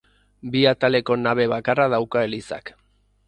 Bi ataleko nabe bakarra dauka elizak.